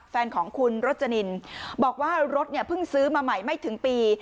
แฟนของคุณรจนินบอกว่ารถเนี่ยเพิ่งซื้อมาใหม่ไม่ถึงปี